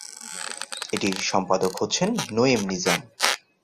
এটির সম্পাদক হচ্ছেন নঈম নিজাম।